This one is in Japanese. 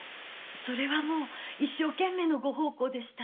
それはもう一生懸命のご奉公でした。